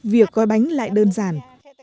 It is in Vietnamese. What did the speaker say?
việc coi bánh lại đơn giản